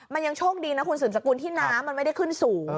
มันยังโชคดีนะคุณสืบสกุลที่น้ำมันไม่ได้ขึ้นสูง